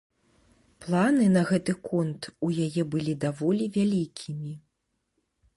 Планы на гэты конт у яе былі даволі вялікімі.